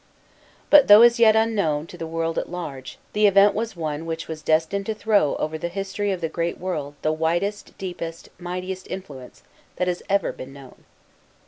But, though as yet unknown to the world at large, the event was one which was destined to throw over the history of the great world the widest, deepest, mightiest influence, that has ever been known.